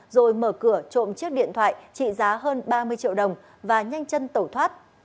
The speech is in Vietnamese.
rồi mở cửa trộm chiếc điện thoại trị giá hơn ba mươi triệu đồng và nhanh chân tẩu thoát